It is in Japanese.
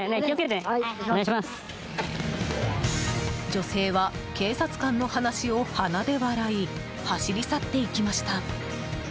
女性は警察官の話を鼻で笑い走り去っていきました。